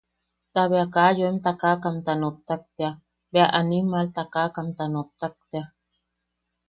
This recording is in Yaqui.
Ta bea kaa yoem takakamta nottak tea, bea animal takakamta nottak tea.